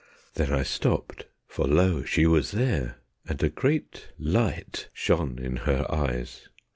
Then I stopped, for lo! she was there, And a great light shone in her eyes.